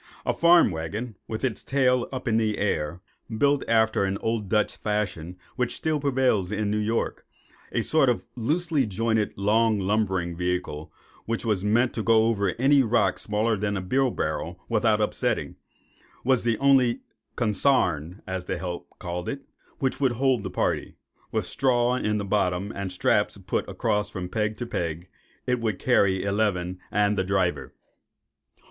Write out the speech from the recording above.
A farm waggon, with its tail up in the air, built after an old Dutch fashion, which still prevails in New York,—a sort of loosely jointed, long, lumbering vehicle, which was meant to go over any rock smaller than a beer barrel without upsetting—was the only "consarn," as the "help" called it, which would hold the party. With straw in the bottom, and straps put across from peg to peg, it would carry eleven, and the driver.